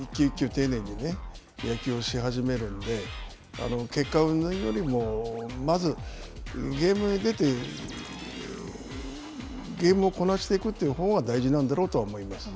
丁寧に野球をし始めるんで、結果うんぬんよりも、まずゲームに出て、ゲームをこなしていくというほうが大事なんだろうとは思います。